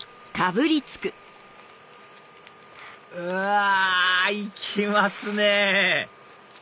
うわ行きますね！